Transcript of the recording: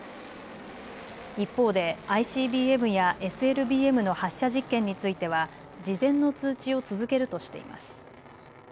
一方でＩＣＢＭやＳＬＢＭの発射実験については事前の通知を続けるとしています。